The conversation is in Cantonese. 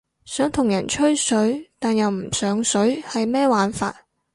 想同人吹水但又唔上水係咩玩法？